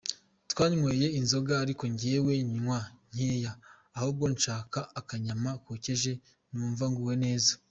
Twanyweye inzoga ariko jyewe nywa nkeya ahubwo nshaka akanyama kokeje numva nguwe neza.